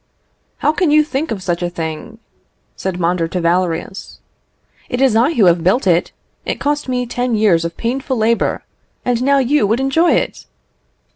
"How can you think of such a thing?" said Mondor to Valerius. "It is I who have built it; it has cost me ten years of painful labour, and now you would enjoy it!"